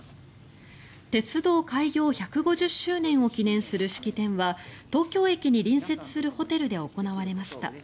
鉄道開業１５０周年を記念する式典は東京駅に隣接するホテルで行われました。